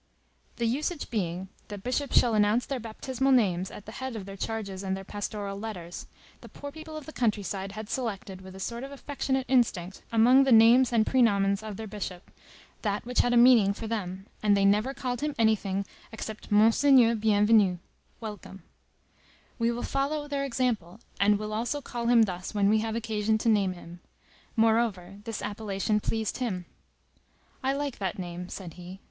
The usage being that bishops shall announce their baptismal names at the head of their charges and their pastoral letters, the poor people of the country side had selected, with a sort of affectionate instinct, among the names and prenomens of their bishop, that which had a meaning for them; and they never called him anything except Monseigneur Bienvenu [Welcome]. We will follow their example, and will also call him thus when we have occasion to name him. Moreover, this appellation pleased him. "I like that name," said he.